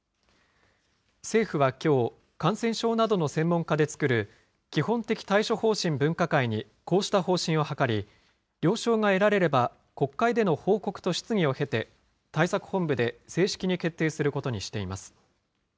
政府はきょう、感染症などの専門家で作る、基本的対処方針分科会にこうした方針を諮り、了承が得られれば、国会での報告と質疑を経て、対策本部で正式に決定することにしています。